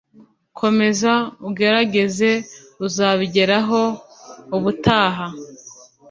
komeze ugerageze uzabigeraho ubutaho